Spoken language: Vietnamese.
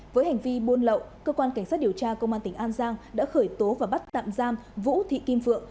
với hành vi buôn lậu cơ quan cảnh sát điều tra công an tỉnh an giang đã khởi tố và bắt tạm giam vũ thị kim phượng